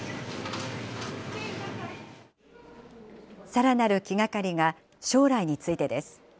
さらなる気がかりが、将来についてです。